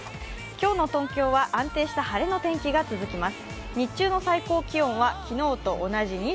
今日の東京は安定した晴れの天気が続きます。